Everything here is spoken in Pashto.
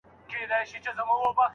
زه د لاسونو د دعا په حافظه کې نه يم